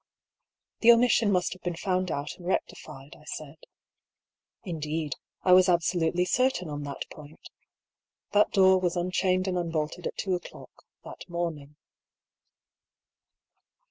" The omission must have been found out and recti fied," I said. Indeed, I was absolutely certain on that point. That door was unchained and unbolted at two o'clock that morning.